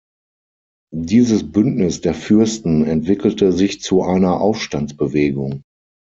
Dieses Bündnis der Fürsten entwickelte sich zu einer Aufstandsbewegung.